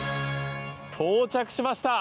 到着しました！